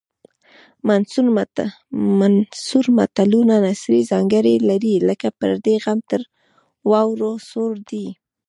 منثور متلونه نثري ځانګړنې لري لکه پردی غم تر واورو سوړ دی